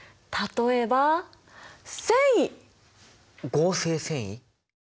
合成繊維？